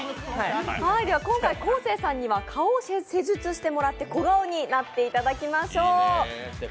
今回、昴生さんには顔を施術してもらって、小顔になっていただきましょう。